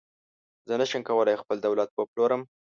زه نشم کولای خپل دولت وپلورم.